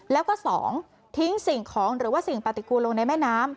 แล้วก็๒ทิ้งสิ่งของหรือว่าสิ่งปฏิกูลลงในแม่น้ำ